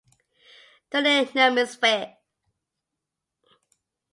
"Ture Nermans vei".